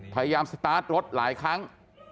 พยายามสตาร์ทรถหลายครั้ง